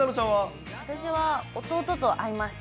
私は弟と会います。